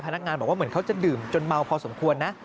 พนักงานบอกว่าเหมือนเขาจะดื่มจนเมาพอสมควรนะ